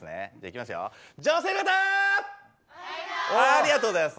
ありがとうございます。